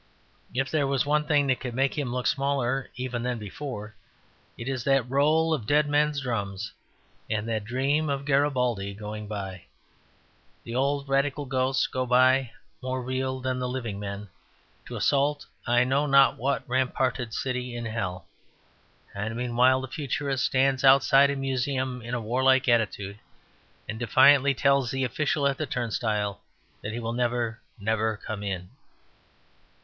If there was one thing that could make him look smaller even than before it is that roll of dead men's drums and that dream of Garibaldi going by. The old Radical ghosts go by, more real than the living men, to assault I know not what ramparted city in hell. And meanwhile the Futurist stands outside a museum in a warlike attitude, and defiantly tells the official at the turnstile that he will never, never come in.